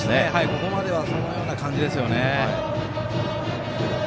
ここまではそのような感じですよね。